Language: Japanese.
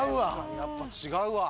やっぱ違うわ。